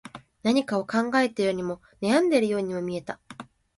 何かを考えているようにも、悩んでいるようにも見えた